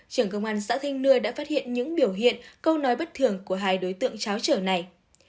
trưởng công an xã thanh nươi đã phát hiện những biểu hiện câu nói bất thường của hai đối tượng cháo trở này